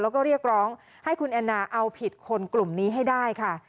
แล้วก็เรียกร้องให้คุณแอนนาเอาผิดคนกลุ่มนี้ให้ได้ค่ะ